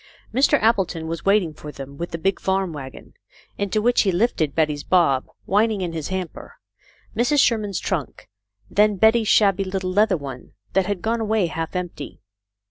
Mr. Appleton was waiting for them with the big farm wagon, into which he lifted Betty's Bob, whin ing in his hamper, Mrs. Sherman's trunk, and then Betty's shabby little leather one that had gone away half empty.